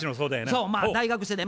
そうまあ大学生で。